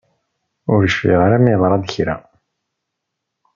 Ur cfiɣ ara ma yeḍra-d kra